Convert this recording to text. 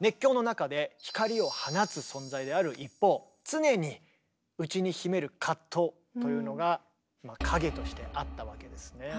熱狂の中で光を放つ存在である一方常に内に秘める藤というのが影としてあったわけですね。